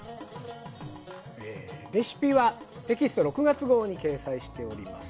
レシピはテキスト６月号に掲載しております。